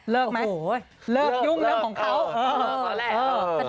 เลิกมั้ยเลิกยุ่งเรื่องของเขาเลิกเลิก